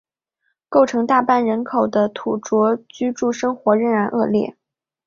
构成大半人口的土着居住生活仍然恶劣。